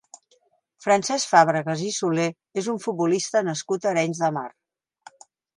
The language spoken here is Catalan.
Francesc Fàbregas i Soler és un futbolista nascut a Arenys de Mar.